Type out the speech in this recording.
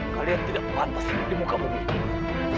kalian tidak pantas hidup di muka bumi